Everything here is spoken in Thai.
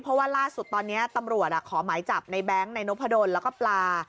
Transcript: เพราะว่าล่าสุดตอนนี้ตำรวจขอหมายจับในแบงค์ในนพดลแล้วก็ปลา